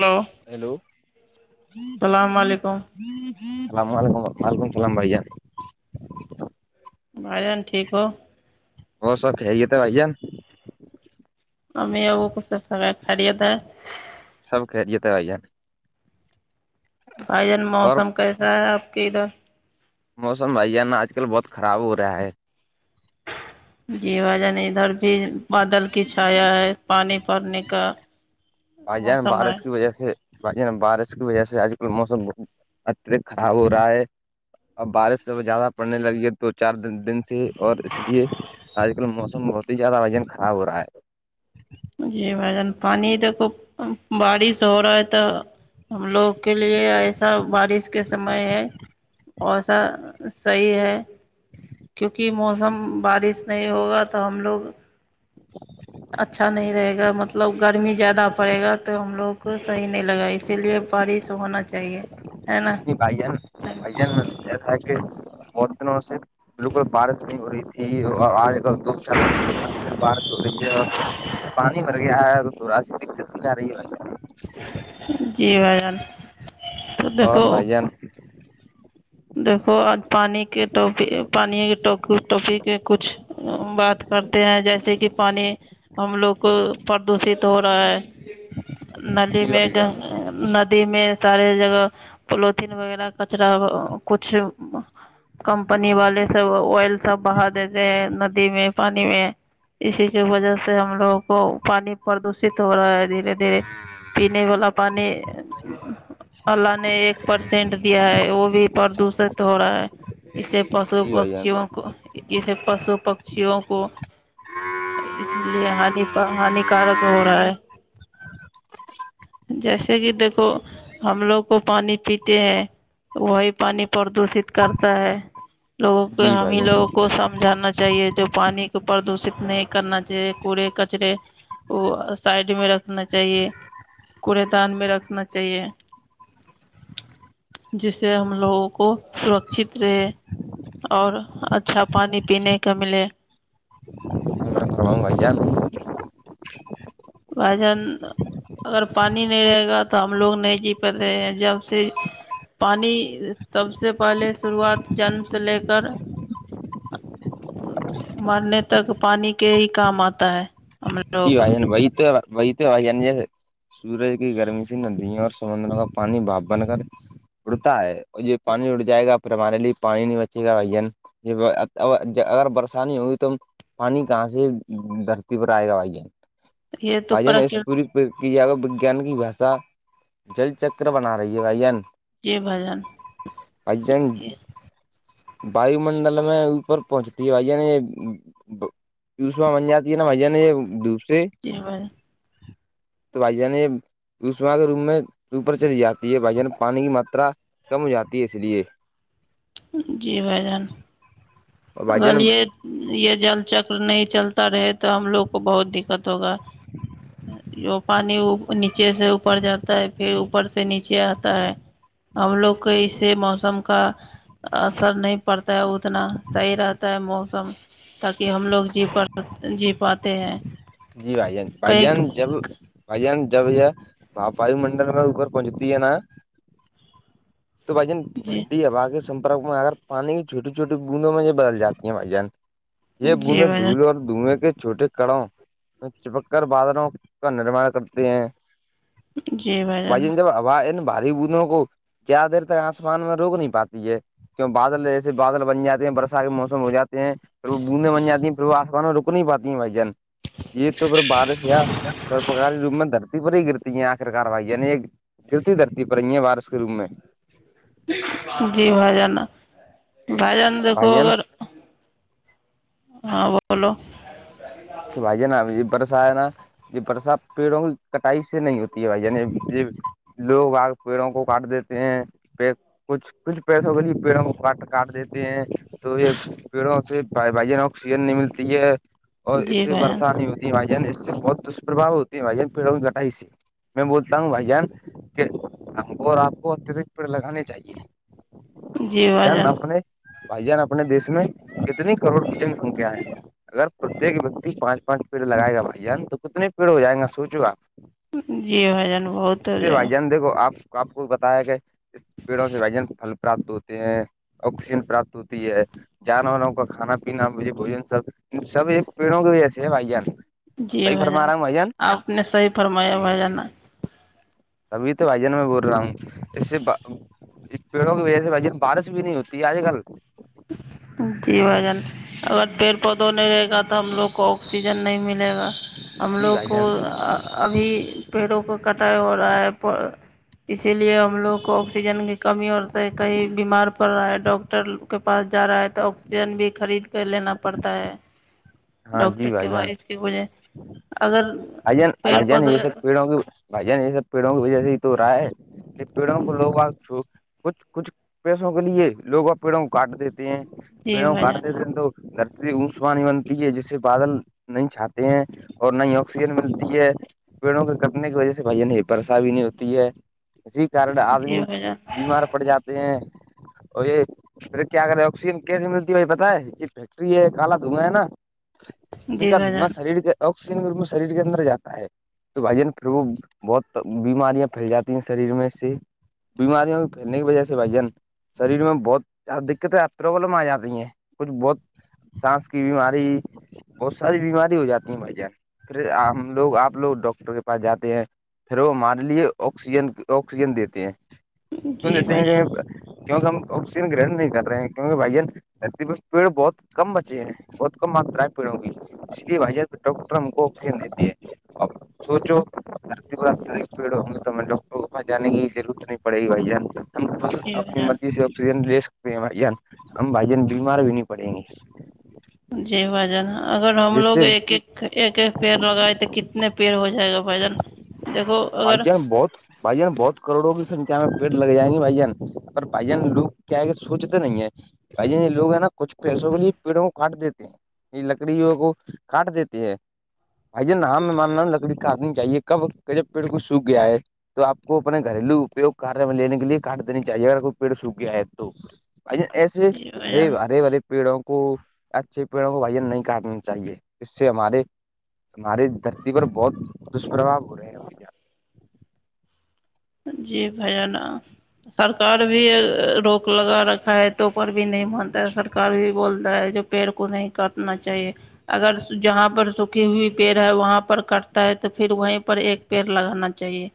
hello hello السلام علیکم السلام علیکم وعلیکم السلام بھائی جان بھائی جان ٹھیک ہو اور سب خیریت ہے بھائی جان ام آب کو س سگ خڑیا د [inaudible] سب خیریت ہے بھائی جان بھائی جان اور موسم کیسا ہے آپ کے ادھر موسم بھائی جان آج کل بہت خراب ہو رہا ہے جی بھائی جان ادھر بھی بادل کی چھایا ہے پانی پڑنے کا بھائی جان موسم ہے بارس کی وجہ سے بھائی جان بارش کی وجہ سے آج کل موسم بہت اتیہک خراب ہو رہا ہے اب بارش سے زیادہ پڑنے لگی ہے تو دو چار دن سے اور اس لیے آج کل موسم بہت ہی زیادہ وجن خراب ہو رہا ہے جی بھائی جان پانی دیکو بارش ہو رہا ہے تو ہم لوگ کے لیے ایسا بارش کے سمے ہے اور سا صحیح ہے کیونکہ موسم بارش نہیں ہوگا تو ہم لوگ [unintelligible] [unintelligible] اچھا نہیں رہے گا مطلب گرمی زیادہ پڑے گا تو ہم لوگ کو صحیح نہیں لگا اسی لیے بارش ہونا چاہیے ہے نا نی بائی جان بائی جان [unintelligible] کہ بہت دنوں سے بلکل بارش نہیں ہو رہی تھی اور آج بارش ہو رہی ہے اور پانی بھر گیا ہے تو تھوڑا سا [inaudible] ست سگ رہی ل ہے [unintelligible] [inaudible] جی بھائی جان تو اور بھائی جان دھو آج پانی کے ٹپی پانی ٹوپی کے کچھ [inaudible] بات کرتے ہیں جیسے کہ پانی ہم لوگ کو پردوشت ہو رہا ہے نلی جی میں بھائی جان دی میں سارے جگہ پلیوتھن وغیرہ کچرا کچھ کمپنی والے سب آئل سب بہا دیتے ہیں ندی میں پانی میں اسی کی وجہ سے ہم لوگوں کو پانی پردوشت ہو رہا ہے دھیرے دھیرے پینے والا پانی اللہ نے ایک پرسینٹ دیا ہے وہ بھی پردوشت ہو رہا ہے اسے پشو جی بھائی جان پکشیوں کو اسے پشو پکشیوں کو اسی لیے ہانی ہانی کارک ہو رہا ہے جیسے کہ دیکھو ہم لوگ کو پانی پیتے ہیں وہی پانی پردوشت کرتا ہے لوگوں کو جی بھائی ہمیں جان لوگوں کو سمجھانا چاہیے جو پانی پردوشت نہیں کرنا چاہیے کوڑے کچرے وہ سائڈ میں رکھنا چاہیے کوڑے دان میں رکھنا چاہیے جسے ہم لوگوں کو سرکچھت رہے اور اچھا پانی پینے کا ملے بھایی جان وجن [inaudible] اگر پانی نہیں رہے گا تو ہم لوگ نہیں جی پاتے ہیں جب سے پانی سب سے پہلے شروعات جنم سے لے کر مرنے تک پانی کے ہی کام آتا ہے ہم لوگوں جی کا بائی بھائی تو [inaudible] وہی تو آ جانی سورج کی گرمی سے ندیوں اور سمندروں کا پانی بھاپ بن کر اڑتا ہے اور یہ پانی اڑ جائے گا پھر ہمارے لیے پانی نہیں بچے گا بھایی جان ج اگر برسانی ہوگی تو پانی کہاں سے دھرتی پر آئے گا بھائی یہ تو بھایی جان اس پرکر پوری کی جائے گا وجان کی بھاشا جل چکر بنا رہی ہے گ ین [inaudible] جی بھائی جان ان [inaudible] جی واو منڈل میں اوپر پہنچتی ہے بھائی نے [inaudible] چشما بن جاتی ہے نا بھن یہ دوپ سے [inaudible] جی ب [inaudible] تو بھایی جان یہ دشم کے روم میں اوپر چلی جاتی ہے بھائی جان پانی کی ماترا کم ہو جاتی ہے اس لیے جی بھائی جان اور بھائی جان اگلیے یہ جل چکر نہیں چلتا رہ [inaudible] تو ہم لوگ کو بہت دقت ہوگا جو پانی اہ نیچے سے اوپر جاتا ہے پھر اوپر سے نیچے آتا ہے ہم لوگ کو اس سے موسم کا اثر نہیں پڑتا ہے اتنا صحیح رہتا ہے موسم تاکہ ہم لوگ جی پ جی پاتے ہیں جی بھائی جان بھائی کئی جان جب بھ جان جب یہاںپ واو منڈل میں اھر پہنچتی ہے نا [inaudible] تو بھائی جن جی ٹھنڈی ہوا کے سمپرک میں اگر پانی کی چھوٹی چھوٹی بوندوں میں یہ بدل جاتی ہیں بھائی جان یہ جی بوند بھائی دھولیں جان اور دھوئیں کے چھوٹے کڑاوں چپک کر بادلوں کا نرمان کرتے ہیں جی بھائی جان وجن جب واہ ان بھاری بندوں کو زیادہ دیر تک آسمان میں روک نہیں پاتی ہے کیوں بادل جیسے بادل بن جاتے ہیں برسات کے موسم ہو جات ہے ہیں پھر وہ بوندیں بن جاتی ہیں پھر وہ آسمان میں رک نہیں پاتی ہیں بھائی جان یہ تو پھر بارش یا پھر پک جوم میں در [inaudible] پر ہی گرتی ہیں آخر کاروائی عنی ایک گرتی دھرتی پر رہ ہیں وارس کے روم میں [inaudible] جی بھایی جان بھایی جان دیکھو اگر ہاں بولو بھائیے نا بر سا ہے نا [inaudible] یہ برسات پیڑوں کی کٹائی سے نہیں ہوتی ہے بھائی جان یہ لوگ آگ پیڑوں کو کاٹ دیتے ہیں پ کچھ کچھ پیسوں کے لیے پیڑوں کو کاٹ کاٹ دیتے ہیں تو یہ پیڑوں سے بھائی بھائی جان آکسیجن نہیں ملتی ہے اور اس جی سے بھائی جان برسات نہیں ہوتی ہے بھائی جان اس سے بہت دشپربا ہوتی ہے بھائی جان پیڑوں کی کٹائی سے میں بولتا ہوں بھائی جان کہ ہم کو اور آپ کو اتدک پیڑ لگانے چاہیے جی بھائی جان اشانپنے [inaudible] بھائی جان اپنے دیش میں کتنی کروڑ کی جن سنکھیا ہے اگر پرتیک ویکتی پانچ پانچ پیڑ لگائے گا بھائی جان تو کتنے پیڑ ہو جائےیں گا سوچو آپ جی بھائی جان بہت ہو سے جائے بھائی گا جان دیکھو آپ آپ کو بتایا ہے کہ اس پیڑوں سے بل [inaudible] پراپت ہوتے ہیں آکسیجن پراپت ہوتی ہے جانوروں کا کھانا پینا مجھے بوجن سب سب پیڑوں کے وجہ سے ہے بھائی جان جی صحیح بھائی فرما جان رہا ہوں آپ نے صحیح فرمایا بھایی جان ابھی تو بھائی جان میں بول رہا ہوں ایسے جی پیڑوں کی وجہ سے بھایی جان بارش بھی نہیں ہوتی ہے آج کل جی بھایی جان اگر پیڑ پودوں نہیں رہے گا تو ہم لوگ کو آکسیجن نہیں ملے گا ہم جی لوگ بھائی کو جان ابھی پیڑوں کو کٹائی ہو رہا ہے اسی لیے ہم لوگ کو آکسیجن کی کمی ہوتا ہے کہیں بیمار پڑ رہا ہے ڈاکٹر کے پاس جا رہا ہے تو آکسیجن بھی خرید کر لینا پڑتا ہے ہاں ڈاکٹر جی کے بھائی ب جان اس کی وجے اگر [inaudible] بھائی جان پیڑ بھایی جان پودے یہ سب پیڑوں کی بھائی جان یہ سب پیڑوں کی وجہ سے ہی تو ہو رہا ہے پیڑوں کو لو باگ چوں [inaudible] کچھ کچھ پیسوں کے لیے لوگ اب پیڑوں کو کاٹ دیتے ہیں جی پیڑوں کو بھائی کاٹ جان دیتے ہیں تو درتی اون پانی بنتی ہے جس سے بادل نہیں چھاتے ہیں اور نہیں [inaudible] آکسیجن ملتی ہے پیڑوں کے کٹنے کی وجہ سے بھائی نہیں برشا بھی نہیں ہوتی ہے اسی کارن جی آدمی بھائی جان بیمار پڑ جاتے ہیں اور یہ پھر کیا کرے آکسیجن کیسے ملتی ہے بھائی پتہ ہے یہ فیکٹری ہے کالا دھواں ہے نا ان جی کا بھائی دھواں جان شریر کے آکسیجن کے روپ میں شریر کے اندر جاتا ہے تو بھائی جان پھر وہ بہت بیماریاں پھیل جاتی ہیں شریر میں سے بیماریوں کے پھیلنے کی وجہ سے بھائی جان [inaudible] شریر میں بہت دقتیں ہے پرابلم آ جاتی ہیں کچھ بہت سانس کی بیماری بہت ساری بیماری ہو جاتی ہیں بھائی جان پھر ہم لوگ آپ لوگ ڈاکٹر کے پاس جاتے ہیں پھر وہ مان لیے آکسیجن آکسیجن دیتے ہیں کیوں جی دیتے بھائی ہیں جان کہیں کیونکہ ہم آکسیجن گرہن نہیں کر رہے ہیں کیونکہ بھائ جان دھرتی پر پیڑ بہت کم بچے ہیں بہت کم ماترا ہے پیڑوں کی اس کی وجہ ڈاکٹر ہم کو آکسیجن دیتی ہے ا سوچو دھرتی پر پیڈ کو پاں جانے کی رورت نہیں پے گی بائی جان جی بھائی تو [inaudible] جان مرجیسی آکجن [inaudible] بھائیان ہم بھائی جان بیمار بھی نہیں پڑیں گے [inaudible] جی بھایی جان اگر ہم جس لوگ سے ایک ایک ایک ایک پیڑ لگائے تو کتنے پیڑ ہو جائے گا بھائی جان دیکھو بھائی اگر جان بہت بھائی جان بہت کروڑوں کی سکھیا میں پیڑ لگ جائیں گے بھائی جان پر بھائی جان لوگ کیا سوچتے نہیں ہیں بھائی جان لوگ ہیں نا کچھ پیسوں کے لیے پیڑوں کو کاٹ دیتے ہیں یہ لکڑیوں کو کاٹ دیتی ہے بھائی جان [unintelligible] لکڑی کاٹنی چاہیے کب جب پیڑ کو سوکھ گیا ہے تو آ پکو اپنے گھریلو اپیوگ کار میں لینے کے لیے کاٹ دینی چاہیے اگر کوئی پیڑ سوکھ گیا ہے تو ایسے جی بھائی ارے جان ارے برے پیڑوں کو اچھے پیڑوں کو بھ نہیں کاٹنا چاہیے اس سے ہمارے ہمہاری دھرتی پر بہت دشپربا ہو رہا ہے جی بھای جان آ سرکار بھی روک لگا رکھا ہے توپر بھی نہیں مانتا ہے سرکار بھی بولتا ہے جو پیڑ کو نہیں کاٹنا چاہیے اگر جہاں پر سوکھی ہوئی پیڑ ہے وہاں پر کٹتا ہے تو پھر وہیں پر ایک پیڑ لگانا چاہیے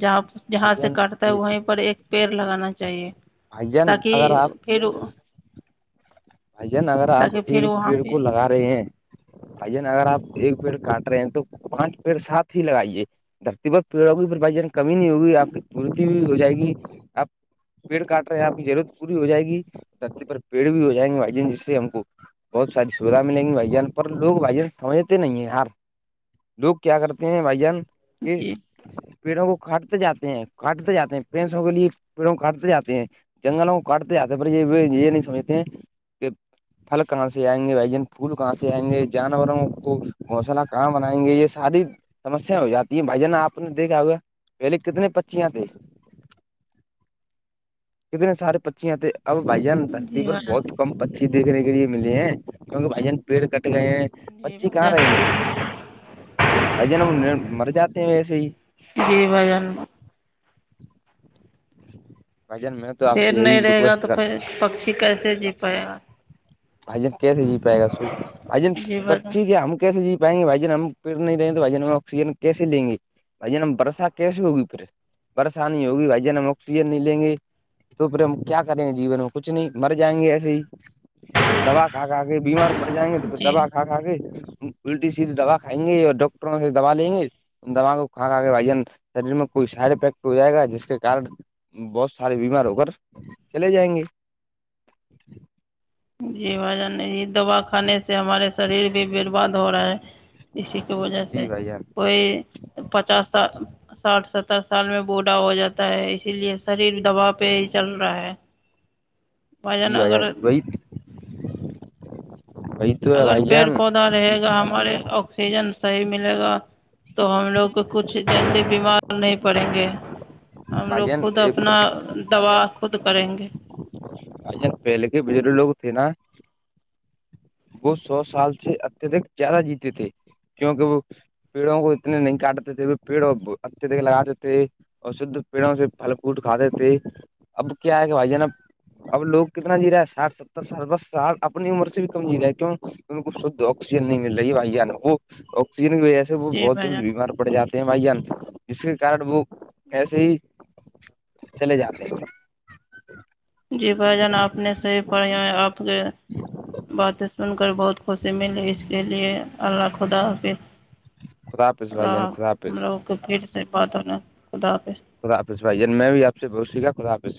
جہاں بھائی جہاں سے کاٹتا ہے جان وہیں پر ایک پیڑ لگانا چاہیے بھائی جان اگر تاکہ آپ [unintelligible] بھائی جان اگر آپ تاکہ پھر ایک وہاں پیڑ پہ کو لگا رہے ہیں بھائی جان ن اگر آپ ایک پیڑ کاٹ رہے ہیں تو پانچ پیڑ ساتھ ہی لگائیے دھرتی پر پیڑ ہوگی پر بھائی ج کمی نہیں ہوگی آپ کی پورتی بھی ہو جائے گی آپ پیڑ کاٹ رہے ہیں آپ کی ضرورت پوری ہو جائے گی تتے پر پیڑ بھی ہو جائ گے جس سے ہم کو بہت ساری سویدھا ملیں گی بھائی جان پر لوگ بھائی جان سمجھتے نہیں ہیں یار لوگ کیا کرتے ہیں بھائی جان کے جی پیڑوں کو کاٹتے جاتے ہیں کاٹتے جاتے ہیں پیسوں کے لیے پیڑوں کو کاٹتے جاتے ہیں جنگلوں کاٹتے آتے پر یہ یہ نہیں سمجھتے کہ پھل کہاں سے آئیں گے وجن پھول کہاں سے آئیں گے جانوروں کو گوسلہ کہاں بنائیں گے یہ ساری سمسیا ہو جاتی ہیں بھائی جان آپ نے دیکھا ہوگا پہلے کتنے پچیاں تھے [inaudible] کتے سار ے پچیا تھے اب بھائی جان دھرتی جی پر بھائی بہت کم پچی دیکھنے کے لیے ملے ہیں کیونکہ بھائی جان پیڑ کٹ گئے ہیں جی بچی بھائی کہاں رہیں گے جان بھائی جان انہیں مر جاتے ہیں ویسے ہی جی بھائی جان بھائی جان میں تو آپ پیر سے نہیں یہی رہے گا ریکویسٹ تو کر پھر پکشی کیسے جی پائے گا [unintelligible] کیسے جی جی بھائی جان پائیں گے بھائی جان ہم پھر نہیں رہیں گے بھائی ج ہم آکسیجن کیسے لیں گے بھائی جان ہم برسہ کیسسی ہوگی پھر پریشانی ہوگی بھائی جان ہم آکسیجن نہیں لیں گے تو پھر ہم کیا کریں گے جیون میں کچھ نہیں مر جائیں گے ایسے ہی دوا کھا کھاکے بیمار پڑ جائیں گے تو پھر جی دواھا کے الٹی سیدھی دوا کھائیں گے اور ڈاکٹروں سے دوا لیں گے ان دواغوں کو کھا کے ون شریر میں کوئی سائڈ افیکٹ ہو جائے گا جس کے کار ن بہت سارے بیمار ہو کر چلے جائیں گے جی بھائی جان یہ دوا کھانے سے ہمارے شریر بھی برباد ہو رہا ہے اسی کی وجہ سے جی بھائی جان کوئی پچاس سال ساٹھ ستر سال میں بوڑھا ہو جاتا ہے اسی لیے شریر دباؤ پہ ہی چل رہا ہے جی جان بھائی اگر جان وہ و اگر پیڑ پودا رہے گا ہمارے آکسیجن صحیح ملے گا تو ہم لوگ کو کچھ جلدی بیمار نہیں پڑھیں گے ہم لوگ آجن خود اپنا دوا خود کریں گے اچھا پہلے کے بجر لوگ تھے نا وہ سو سال سے اتدک زیادہ جیتے تھے کیونکہ وہ پیڑوں کو اتنے نہیں کاٹتے تھے پیڑوں کو لگاتے تھے اور شد پیڑوں سے پھل فریٹ کھاتے تھے اب کیا ہے کہ بھائی جان اب لوگ کتنا جی رہا ہے ساٹھ ستر سال بس سال اپنی عمر سے بھی کی شد آکسیجن نہیں مل رہی بھائی جان وہ اسی کی وجہ سے وہ جی بہت بھائی جلد جان بیمار پڑ جاتے ہیں بھائی جان جس کے کارن وہ ایسی ہی چلے جاتے ہیں جی بھائی جان آپ نے صحیی پڑھیا آپ کے باتیں سن کر بہت خوشی ملی اسی لیے اللہ خدا حافظ خدا حافظ بھائی اللہ جان خدا ہم حافظ لوگ تو پھر سے بات ہوا خدا حافظ خدا حافظ بھائی جان میں بھی آپ سے گا خدا حافظ